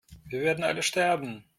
Wir werden alle sterben!